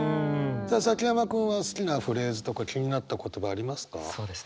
さあ崎山君は好きなフレーズとか気になった言葉ありますか？